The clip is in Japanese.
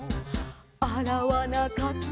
「あらわなかったな